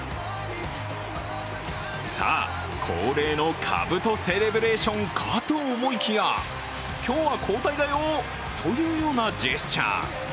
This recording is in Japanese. さあ、恒例のかぶとセレブレーションかと思いきや、今日は交代だよーというようなジェスチャー。